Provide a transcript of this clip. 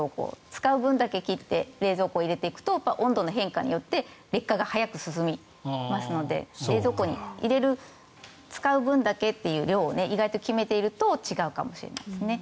使う分だけ切って冷蔵庫に入れておくと温度の変化によって劣化が早く進みますので冷蔵庫に入れる使う分だけという分量を意外と決めていると違うかもしれませんね。